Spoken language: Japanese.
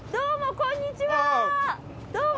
こんにちは。